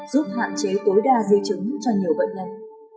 giúp hạn chế tối đa di chứng cho nhiều bệnh nhân